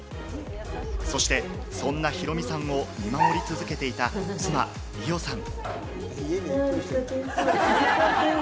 そして、そんなヒロミさんを見守り続けていた妻・伊代さん。